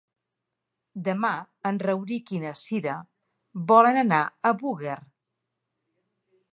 Demà en Rauric i na Cira volen anar a Búger.